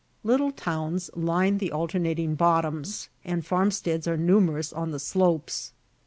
Little towns line the alternating bottoms, and farmsteads are numerous on the slopes.